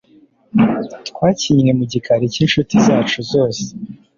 Twakinnye mu gikari cyinshuti zacu zose